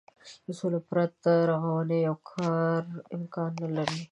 له سولې پرته د رغونې يو کار امکان نه لري.